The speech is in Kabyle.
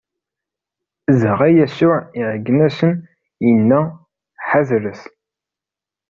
Dɣa Yasuɛ iɛeggen-asen, inna: Ḥadret!